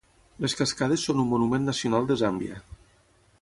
Les cascades són un monument nacional de Zàmbia.